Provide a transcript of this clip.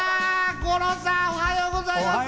五郎さん、おはようございます。